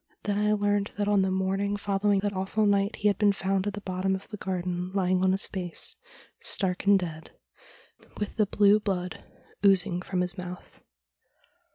Then I learned that on the morning following that awful night he had been found at the bottom of the garden lying on his face, stark and dead, with the blue blood oozing from his mouth.